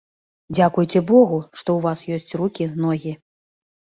Дзякуйце богу, што ў вас ёсць рукі ногі.